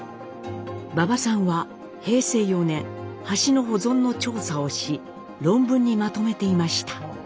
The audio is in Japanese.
馬場さんは平成４年橋の保存の調査をし論文にまとめていました。